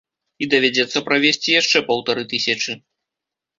І давядзецца правесці яшчэ паўтары тысячы.